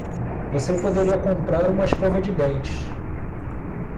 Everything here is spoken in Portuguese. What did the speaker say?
Você poderia comprar uma escova de dentes.